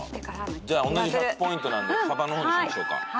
じゃあ同じ１００ポイントなんでサバの方にしましょうか。